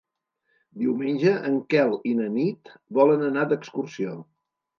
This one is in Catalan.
Diumenge en Quel i na Nit volen anar d'excursió.